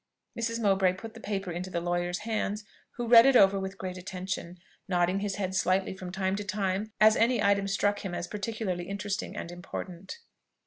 Mrs. Mowbray put the paper into the lawyer's hands, who read it over with great attention, nodding his head slightly from time to time as any item struck him as particularly interesting and important.